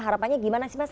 harapannya gimana sih mas